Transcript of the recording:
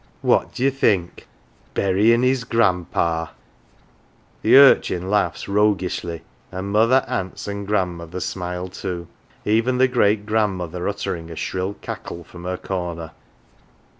" What d'ye think ? Burying his grandpa !" The urchin laughs roguishly, and, mother, aunts, and grandmother smile too even the great grandmother uttering a shrill cackle from her corner.